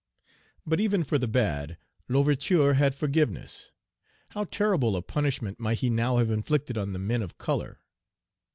But even for the bad, L'Ouverture had forgiveness. How terrible a punishment might he now have inflicted on the men of color!